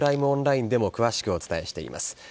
オンラインでも詳しくお伝えしています。